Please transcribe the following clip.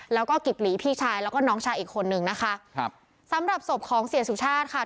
แล้วก็กิบหลีพี่ชายแล้วก็น้องชายอีกคนนึงนะคะครับสำหรับศพของเสียสุชาติค่ะ